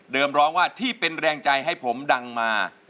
ร้องว่าที่เป็นแรงใจให้ผมดังมา